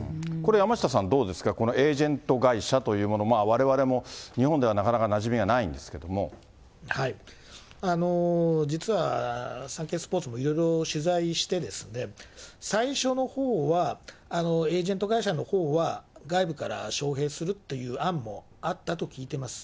山下さん、どうですか、エージェント会社という、われわれも日本ではなかな実は、サンケイスポーツもいろいろ取材して、最初のほうは、エージェント会社のほうは、外部から招へいするという案もあったと聞いています。